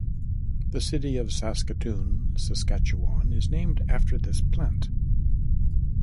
The city of Saskatoon, Saskatchewan is named after this plant.